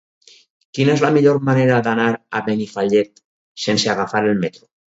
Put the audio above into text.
Quina és la millor manera d'anar a Benifallet sense agafar el metro?